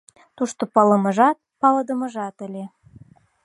Тушто палымыжат, палыдымыжат ыле.